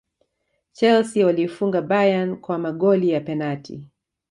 chelsea waliifunga bayern kwa magoli ya penati